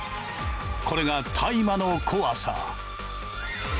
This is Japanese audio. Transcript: これが大麻の怖さ。